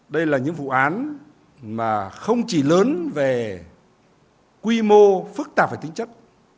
đây là những vụ án mà không chỉ lớn về quy mô phức tạp về tính chất